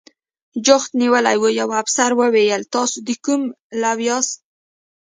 جوخت نیولي و، یوه افسر وویل: تاسې د کومې لوا یاست؟